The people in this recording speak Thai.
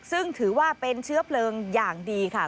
ซึ่งถือว่าเป็นเชื้อเพลิงอย่างดีค่ะ